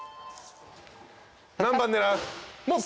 何番狙う？